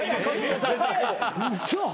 嘘！？